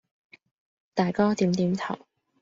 大哥點點頭。